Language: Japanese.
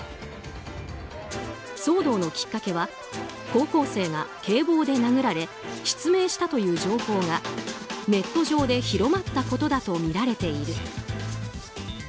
騒動のきっかけは、高校生が警棒で殴られ失明したという情報がネット上で広まったことだとみられている。